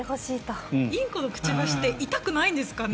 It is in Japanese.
インコのくちばしって痛くないんですかね？